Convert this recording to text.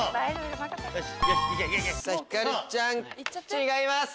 違います。